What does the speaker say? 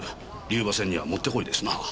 龍馬戦にはもってこいですな。